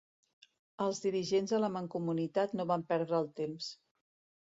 Els dirigents de la Mancomunitat no van perdre el temps.